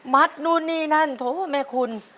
มัดโน่นนี้นั้นโท้ไม่คุ้น